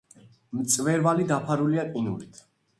მწვერვალი დაფარულია ყინულით.